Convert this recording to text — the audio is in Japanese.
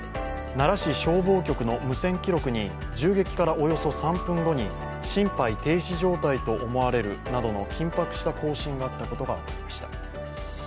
奈良市消防局の無線記録に銃撃からおよそ３分後に心肺停止状態と思われるなどの緊迫した交信があったことが分かりました。